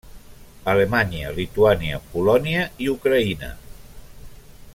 Alemanya, Lituània, Polònia i Ucraïna.